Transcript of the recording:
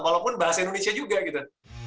walaupun bahasa indonesia juga gitu